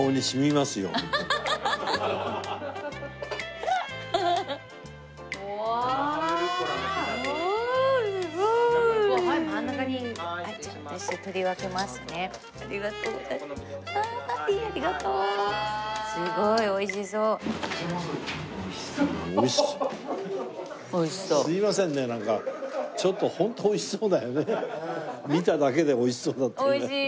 見ただけでおいしそうだっていうね。